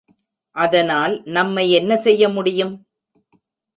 அதனால் நம்மை என்ன செய்ய முடியும்?